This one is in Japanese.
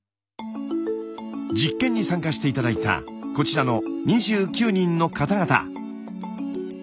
実験に参加して頂いたこちらの２９人の方々。